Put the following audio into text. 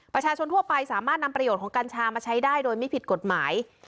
ประชาชนทั่วไปสามารถนำประโยชน์ของกัญชามาใช้ได้โดยไม่ผิดกฎหมาย